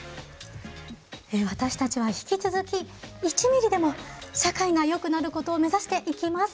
私たちは引き続き１ミリでも社会がよくなることを目指していきます。